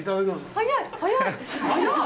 早い！